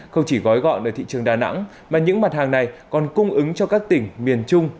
không chỉ gói gọn ở thị trường đà nẵng mà những mặt hàng này còn cung ứng cho các tỉnh miền trung